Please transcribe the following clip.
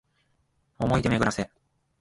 想おもい出で巡めぐらせ